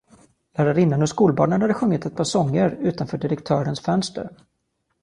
Lärarinnan och skolbarnen hade sjungit ett par sånger utanför direktörens fönster.